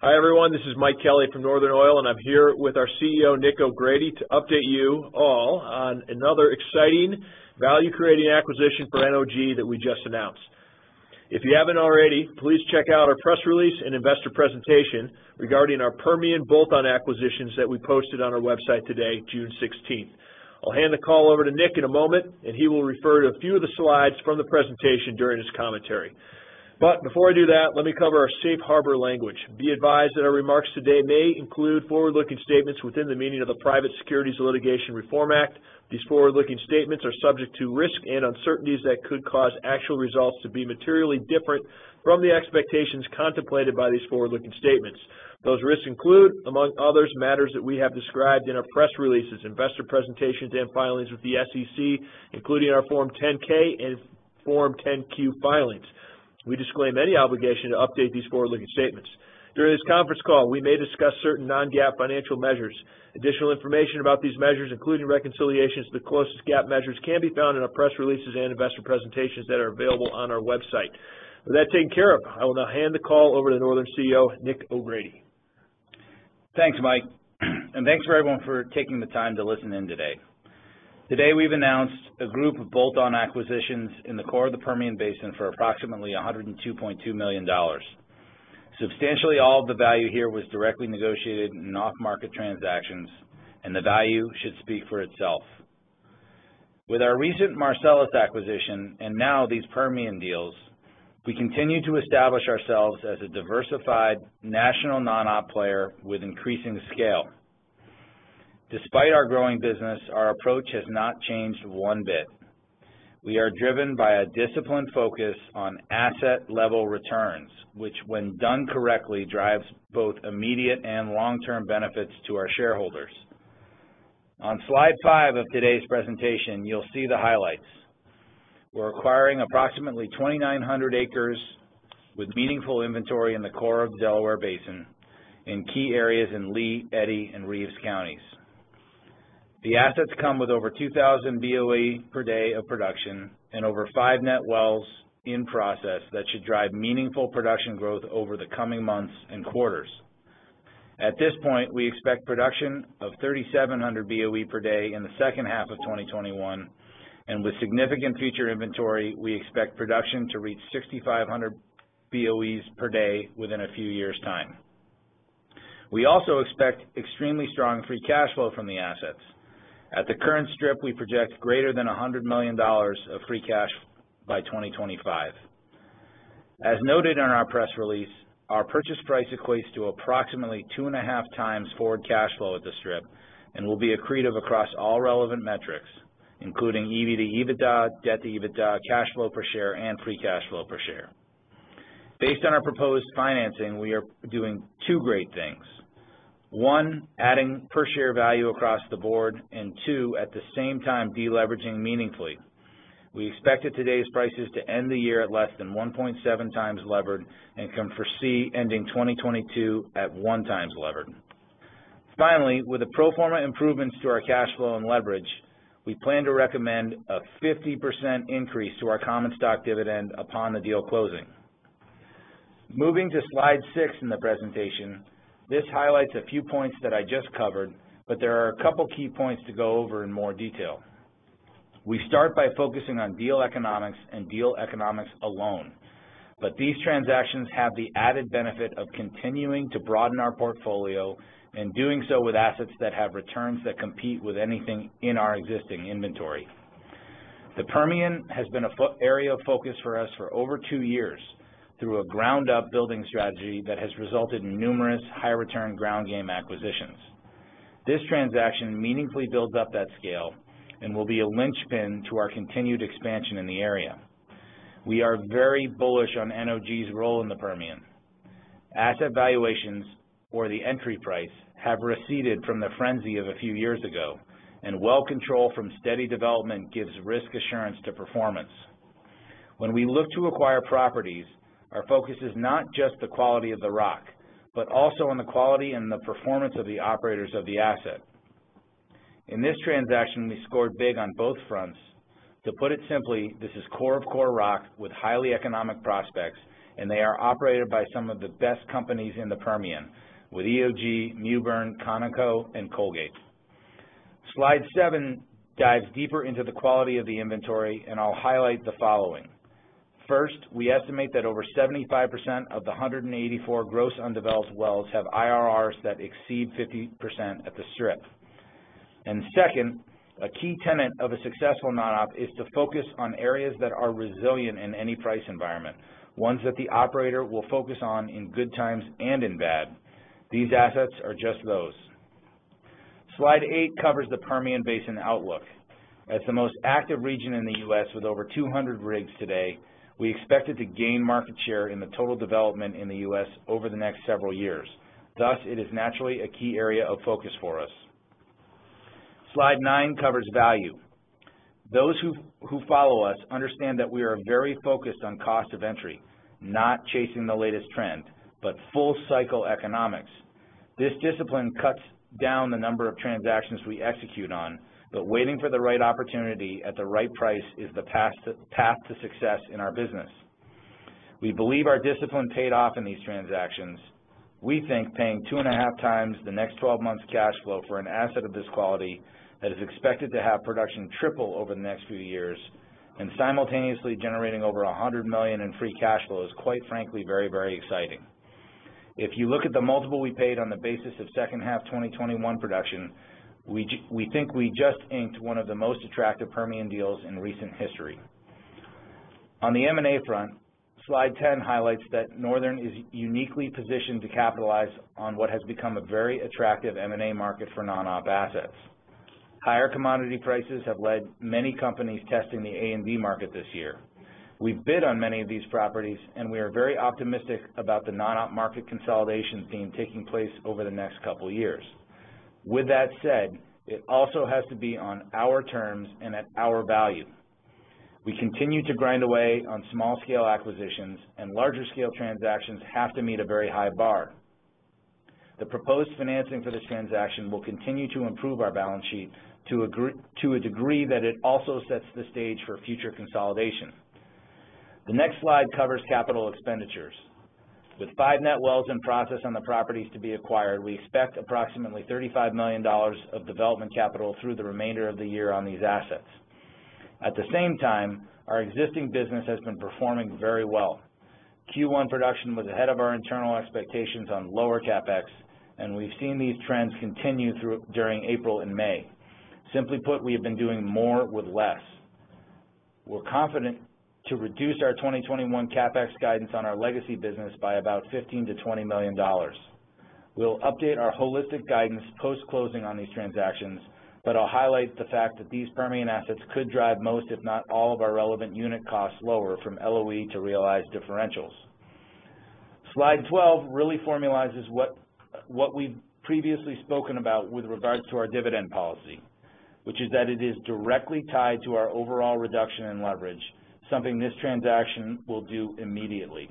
Hi, everyone. This is Mike Kelly from Northern Oil, and I'm here with our CEO, Nick O'Grady, to update you all on another exciting value-creating acquisition for NOG that we just announced. If you haven't already, please check out our press release and investor presentation regarding our Permian bolt-on acquisitions that we posted on our website today, June 16th. I'll hand the call over to Nick in a moment, and he will refer to a few of the slides from the presentation during his commentary. Before I do that, let me cover our safe harbor language. Be advised that our remarks today may include forward-looking statements within the meaning of the Private Securities Litigation Reform Act. These forward-looking statements are subject to risks and uncertainties that could cause actual results to be materially different from the expectations contemplated by these forward-looking statements. Those risks include, among others, matters that we have described in our press releases, investor presentations, and filings with the SEC, including our Form 10-K and Form 10-Q filings. We disclaim any obligation to update these forward-looking statements. During this conference call, we may discuss certain non-GAAP financial measures. Additional information about these measures, including reconciliations to the closest GAAP measures, can be found in our press releases and investor presentations that are available on our website. With that taken care of, I will now hand the call over to Northern's CEO, Nick O'Grady. Thanks, Mike. Thanks for everyone for taking the time to listen in today. Today, we've announced a group of bolt-on acquisitions in the core of the Permian Basin for approximately $102.2 million. Substantially all of the value here was directly negotiated in off-market transactions, and the value should speak for itself. With our recent Marcellus acquisition and now these Permian deals, we continue to establish ourselves as a diversified national non-op player with increasing scale. Despite our growing business, our approach has not changed one bit. We are driven by a disciplined focus on asset-level returns, which when done correctly, drives both immediate and long-term benefits to our shareholders. On slide 5 of today's presentation, you'll see the highlights. We're acquiring approximately 2,900 acres with meaningful inventory in the core of the Delaware Basin in key areas in Lea, Eddy, and Reeves counties. The assets come with over 2,000 BOE per day of production and over five net wells in process that should drive meaningful production growth over the coming months and quarters. At this point, we expect production of 3,700 BOE per day in the second half of 2021. With significant future inventory, we expect production to reach 6,500 BOEs per day within a few years' time. We also expect extremely strong free cash flow from the assets. At the current strip, we project greater than $100 million of free cash by 2025. As noted in our press release, our purchase price equates to approximately 2.5 times forward cash flow at the strip and will be accretive across all relevant metrics, including EV to EBITDA, debt to EBITDA, cash flow per share, and free cash flow per share. Based on our proposed financing, we are doing two great things. 1, adding per share value across the board, and 2, at the same time, deleveraging meaningfully. We expected today's prices to end the year at less than 1.7 times levered and can foresee ending 2022 at 1 times levered. Finally, with the pro forma improvements to our cash flow and leverage, we plan to recommend a 50% increase to our common stock dividend upon the deal closing. Moving to slide 6 in the presentation, this highlights a few points that I just covered, but there are a couple of key points to go over in more detail. We start by focusing on deal economics and deal economics alone. These transactions have the added benefit of continuing to broaden our portfolio and doing so with assets that have returns that compete with anything in our existing inventory. The Permian has been an area of focus for us for over two years through a ground-up building strategy that has resulted in numerous high-return ground game acquisitions. This transaction meaningfully builds up that scale and will be a linchpin to our continued expansion in the area. We are very bullish on NOG's role in the Permian. Asset valuations for the entry price have receded from the frenzy of a few years ago, and well control from steady development gives risk assurance to performance. When we look to acquire properties, our focus is not just the quality of the rock, but also on the quality and the performance of the operators of the asset. In this transaction, we scored big on both fronts. To put it simply, this is core of core rock with highly economic prospects. They are operated by some of the best companies in the Permian with EOG, Mewbourne, Conoco, and Colgate. Slide 7 dives deeper into the quality of the inventory. I'll highlight the following. First, we estimate that over 75% of the 184 gross undeveloped wells have IRRs that exceed 50% at the strip. Second, a key tenet of a successful non-op is to focus on areas that are resilient in any price environment, ones that the operator will focus on in good times and in bad. These assets are just those. Slide 8 covers the Permian Basin outlook. The most active region in the U.S. with over 200 rigs today, we expect it to gain market share in the total development in the U.S. over the next several years. It is naturally a key area of focus for us. Slide 9 covers value. Those who follow us understand that we are very focused on cost of entry, not chasing the latest trend, but full cycle economics. This discipline cuts down the number of transactions we execute on, waiting for the right opportunity at the right price is the path to success in our business. We believe our discipline paid off in these transactions. We think paying two and a half times the next 12 months cash flow for an asset of this quality that is expected to have production triple over the next few years, and simultaneously generating over $100 million in free cash flow is, quite frankly, very exciting. If you look at the multiple we paid on the basis of second half 2021 production, we think we just inked one of the most attractive Permian deals in recent history. On the M&A front, slide 10 highlights that Northern is uniquely positioned to capitalize on what has become a very attractive M&A market for non-op assets. Higher commodity prices have led many companies testing the A&D market this year. We've bid on many of these properties, and we are very optimistic about the non-op market consolidations being taking place over the next couple of years. With that said, it also has to be on our terms and at our value. We continue to grind away on small scale acquisitions, and larger scale transactions have to meet a very high bar. The proposed financing for this transaction will continue to improve our balance sheet to a degree that it also sets the stage for future consolidation. The next slide covers capital expenditures. With five net wells in process on the properties to be acquired, we expect approximately $35 million of development capital through the remainder of the year on these assets. At the same time, our existing business has been performing very well. Q1 production was ahead of our internal expectations on lower CapEx, and we've seen these trends continue during April and May. Simply put, we have been doing more with less. We're confident to reduce our 2021 CapEx guidance on our legacy business by about $15 million to $20 million. We'll update our holistic guidance post-closing on these transactions. I'll highlight the fact that these Permian assets could drive most, if not all, of our relevant unit costs lower from LOE to realized differentials. Slide 12 really formalizes what we've previously spoken about with regards to our dividend policy, which is that it is directly tied to our overall reduction in leverage, something this transaction will do immediately.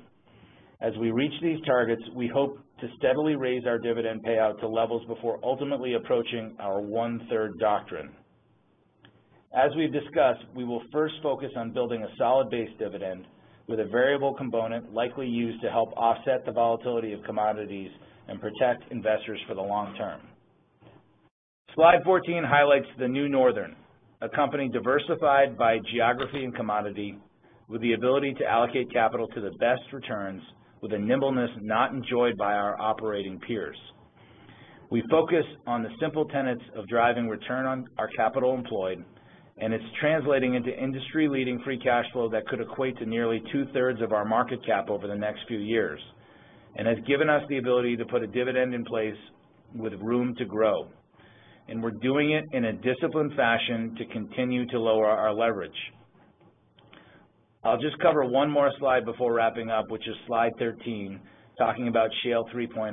As we reach these targets, we hope to steadily raise our dividend payout to levels before ultimately approaching our one-third doctrine. As we discussed, we will first focus on building a solid base dividend with a variable component likely used to help offset the volatility of commodities and protect investors for the long term. Slide 14 highlights the new Northern, a company diversified by geography and commodity with the ability to allocate capital to the best returns with a nimbleness not enjoyed by our operating peers. It's translating into industry-leading free cash flow that could equate to nearly two-thirds of our market cap over the next few years and has given us the ability to put a dividend in place with room to grow, and we're doing it in a disciplined fashion to continue to lower our leverage. I'll just cover one more slide before wrapping up, which is slide 13, talking about Shale 3.0.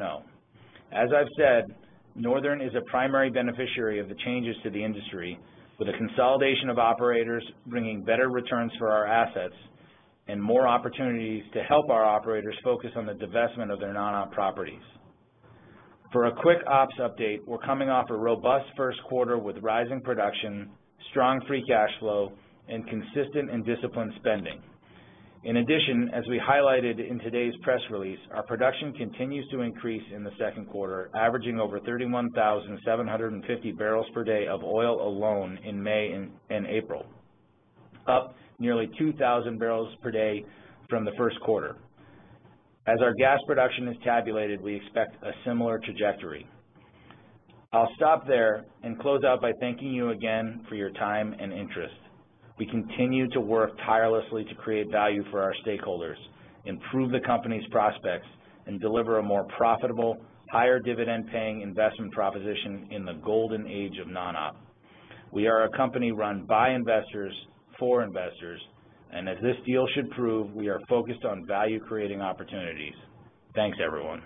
As I've said, Northern is a primary beneficiary of the changes to the industry, with the consolidation of operators bringing better returns for our assets and more opportunities to help our operators focus on the divestment of their non-op properties. For a quick ops update, we're coming off a robust first quarter with rising production, strong free cash flow, and consistent and disciplined spending. In addition, as we highlighted in today's press release, our production continues to increase in the second quarter, averaging over 31,750 barrels per day of oil alone in May and April, up nearly 2,000 barrels per day from the first quarter. As our gas production is tabulated, we expect a similar trajectory. I'll stop there and close out by thanking you again for your time and interest. We continue to work tirelessly to create value for our stakeholders, improve the company's prospects, and deliver a more profitable, higher dividend paying investment proposition in the golden age of non-op. We are a company run by investors, for investors, and as this deal should prove, we are focused on value-creating opportunities. Thanks, everyone.